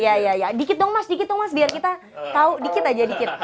iya iya dikit dong mas dikit dong mas biar kita tahu dikit aja dikit